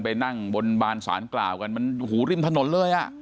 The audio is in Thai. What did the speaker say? ไปนั่งบนบานสารกล่าวกันมันหูริมถนนเลยอ่ะ